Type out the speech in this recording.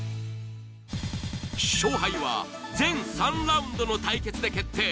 勝敗は全３ラウンドの対決で決定